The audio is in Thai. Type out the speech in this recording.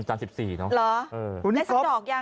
เหรอได้สักดอกยัง